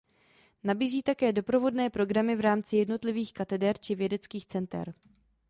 Nabízí také doprovodné programy v rámci jednotlivých kateder či vědeckých center.